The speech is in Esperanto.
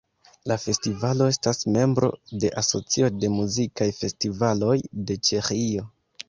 La festivalo estas membro de Asocio de muzikaj festivaloj de Ĉeĥio.